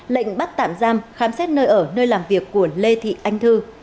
lệnh bắt tạm giam khám xét nơi ở nơi làm việc của lê thị anh thư